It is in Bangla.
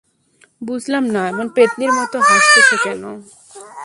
বুঝলাম না এমন পেত্নীর মত হাসতেছো কেন!